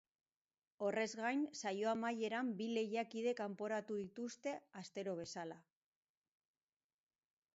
Horrez gain, saio amaieran bi lehiakide kanporatuko dituztem, astero bezala.